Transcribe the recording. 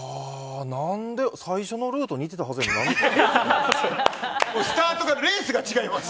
最初のルート似てたはずやのにスタートからレースが違います。